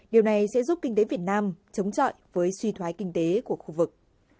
điều này sẽ giúp kinh tế việt nam chống chọi với suy thoái kinh tế của khu vực